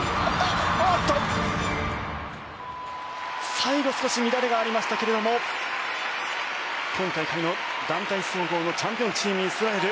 最後少し乱れがありましたけれども今大会の団体総合のチャンピオンチームイスラエル。